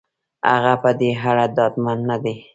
هغه په دې اړه ډاډمن نه دی.